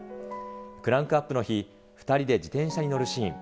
クランクアップの日、２人で自転車に乗るシーン。